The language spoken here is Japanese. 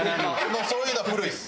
もうそういうのは古いです。